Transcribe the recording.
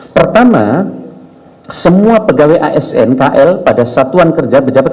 pertama semua pegawai asn kl pada satuan kerja